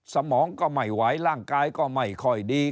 สมองก็ไม่ไหวร่างกายก็ไม่ค่อยดี